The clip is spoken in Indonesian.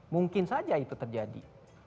mungkin saja itu terjadi